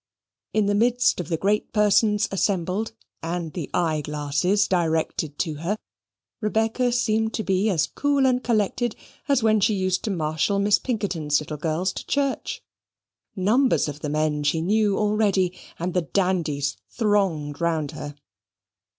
In the midst of the great persons assembled, and the eye glasses directed to her, Rebecca seemed to be as cool and collected as when she used to marshal Miss Pinkerton's little girls to church. Numbers of the men she knew already, and the dandies thronged round her.